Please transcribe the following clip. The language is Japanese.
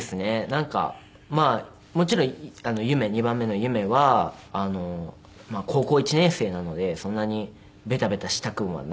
なんかもちろん夢２番目の夢は高校１年生なのでそんなにベタベタしたくはないというか。